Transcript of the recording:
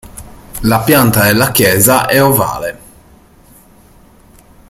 La pianta della chiesa è ovale.